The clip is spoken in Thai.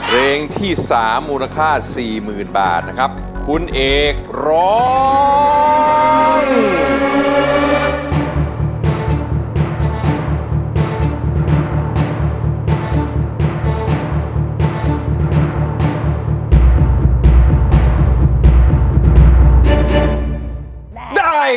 ร้องได้ร้องได้ร้องได้ร้องได้ร้องได้